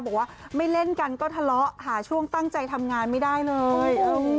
บอกว่าไม่เล่นกันก็ทะเลาะหาช่วงตั้งใจทำงานไม่ได้เลย